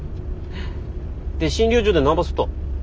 で診療所で何ばすっと？